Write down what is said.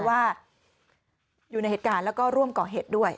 ว่าอยู่ในเหตุการณ์แล้วก็ร่วมก่อเหตุด้วย